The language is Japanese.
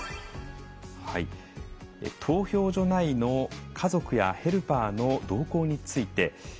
投票所内の家族やヘルパーの同行について。